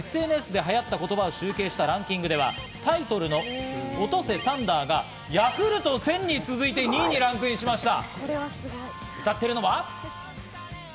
さらに今年の４月から６月までＳＮＳで流行った言葉を集計したランキングではタイトルの『おとせサンダー』がヤクルト１０００に続いて２位にランクインしました。